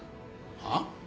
はっ？